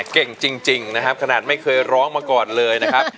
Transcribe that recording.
เก่งจริงนะครับขนาดไม่เคยร้องมาก่อนเลยนะครับ